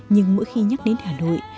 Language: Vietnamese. nhưng mỗi khi nhắc đến hà nội